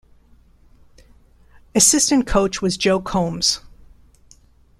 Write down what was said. Assistant coach was Joe Coombs.